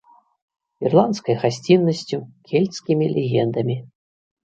Ірландскай гасціннасцю, кельцкімі легендамі.